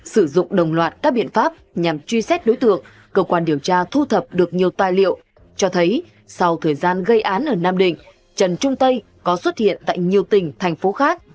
sử dụng đồng loạt các biện pháp nhằm truy xét đối tượng cơ quan điều tra thu thập được nhiều tài liệu cho thấy sau thời gian gây án ở nam định trần trung tây có xuất hiện tại nhiều tỉnh thành phố khác